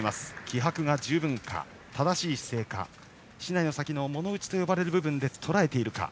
気迫は十分か、正しい姿勢か竹刀の先の物打と呼ばれる部分で打っているか。